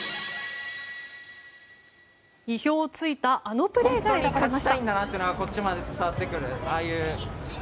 意表を突いたあのプレーが選ばれました。